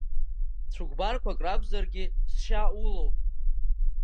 Цәыкәбарқәак ракәзаргьы, сшьа улоуп.